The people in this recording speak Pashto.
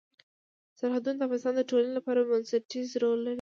سرحدونه د افغانستان د ټولنې لپاره بنسټيز رول لري.